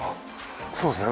そうっすね。